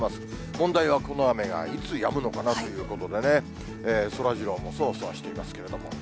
問題は、この雨がいつやむのかなということでね、そらジローもそわそわしていますけれども。